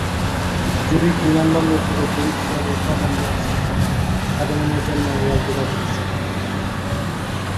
জুরিখ বিমানবন্দর থেকে জুরিখ শহরের প্রধান রেলস্টেশনে আগমনের জন্য রেল যোগাযোগ আছে।